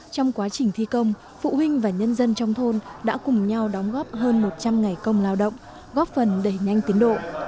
trong quá trình thi công phụ huynh và nhân dân trong thôn đã cùng nhau đóng góp hơn một trăm linh ngày công lao động góp phần đẩy nhanh tiến độ